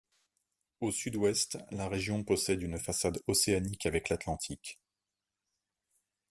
Au sud-ouest, la région possède une façade océanique avec l'Atlantique.